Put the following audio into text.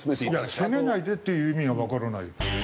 いや「責めないで」って言う意味がわからないよ。